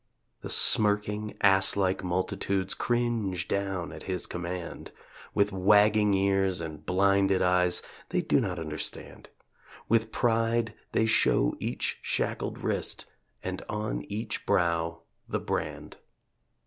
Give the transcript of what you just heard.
The smirking, ass like multitudes Cringe down at his command. With wagging ears and blinded eyes They do not understand. With pride they show each shackled wrist And on each brow the brand.